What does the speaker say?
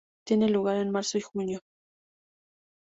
Tiene lugar en marzo y junio.